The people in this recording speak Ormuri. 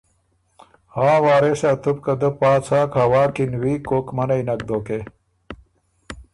هاں وارثا! تُو بو که دۀ پا څاک هوا کی نوی کوک منعئ نک دوکې